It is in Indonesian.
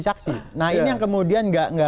saksi nah ini yang kemudian nggak